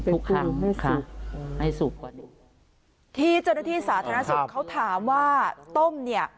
ทุกครั้งให้สุกกว่าหนึ่งที่เจ้าหน้าที่สาธารณสุขเขาถามว่าต้มเนี่ย